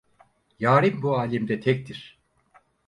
Yârim bu âlemde tektir.